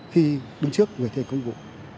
khi đứng trước người thi hành công vụ